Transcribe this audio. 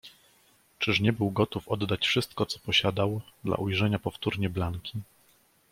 "Czyż nie był gotów oddać wszystko co posiadał, dla ujrzenia powtórnie Blanki?"